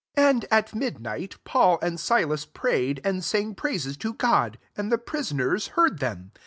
25 And at midnight, Paul and Silas prayed, and sang praises to God : and the prisoners heard them.